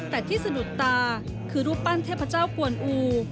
แต่ที่สะดุดตาคือรูปปั้นเทพเจ้ากวนอู